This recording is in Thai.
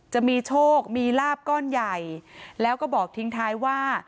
จะมีโชคมีลาบก้อนใหญ่แล้วก็บอกทิ้งท้ายว่า